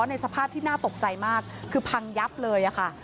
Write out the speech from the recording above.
ในสภาพที่น่าตกใจมากคือพังยับเลยค่ะ